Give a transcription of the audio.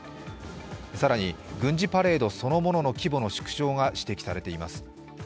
更に、軍事パレードそのものの規模の縮小が指摘されています。